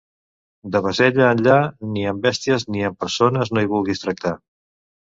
De Bassella enllà, ni amb bèsties ni amb persones no hi vulguis tractar.